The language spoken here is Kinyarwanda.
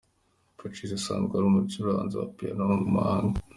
Pacis asanzwe ari umucuranzi wa piano w'umuhanga.